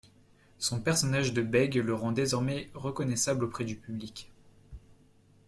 Son personnage de bègue le rend désormais reconnaissable auprès du public.